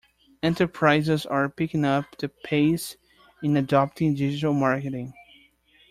Enterprises are picking up the pace in adopting digital marketing.